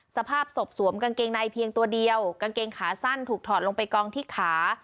สภาพศพสวมกางเกงในเพียงตัวเดียวกางเกงขาสั้นถูกถอดลงไปกองที่ขา